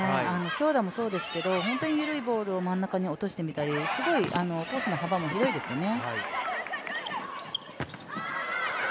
強打もそうですけど本当に緩いボールを真ん中に落としてみたりすごいコースの幅も広いですよね。